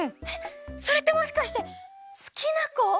えっそれってもしかしてすきなこ！？